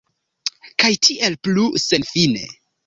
Kaj tiel plu, senfine.